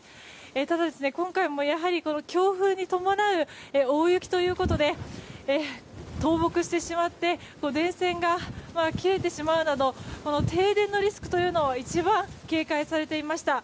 ただ、今回も強風に伴う大雪ということで倒木してしまって電線が切れてしまうなど停電のリスクというのを一番警戒されていました。